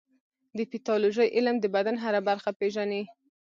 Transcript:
د پیتالوژي علم د بدن هره برخه پېژني.